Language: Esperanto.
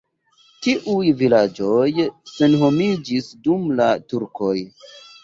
Tiuj vilaĝoj senhomiĝis dum la turkoj.